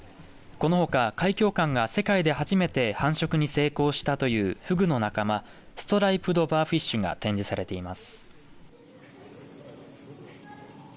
このほか海響館が世界で初めて繁殖に成功したというふぐの仲間ストライプドバーフィッシュが展示されています。